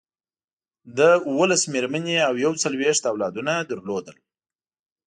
ده اوولس مېرمنې او یو څلویښت اولادونه درلودل.